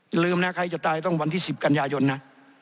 อย่าลืมนะใครจะตายต้องวันที่๑๐กันยายนนะ